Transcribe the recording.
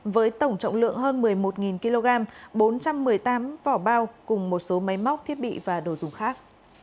với tổng trọng lượng hơn một mươi một kg bốn trăm một mươi tám vỏ bao cùng một số máy móc thiết bị và đồ dùng khác